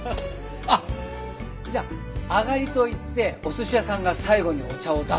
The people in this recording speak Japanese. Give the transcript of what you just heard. あっじゃあアガリといってお寿司屋さんが最後にお茶を出すのも。